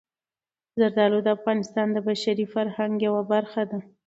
زردالو د افغانستان د بشري فرهنګ یوه برخه ده.